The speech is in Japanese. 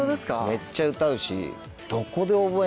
めっちゃ歌うし。